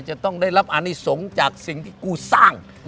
จะต้องได้รับอนิสงฆ์จากสิ่งที่กูสร้าง